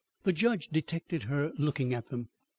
The judge detected her looking at them.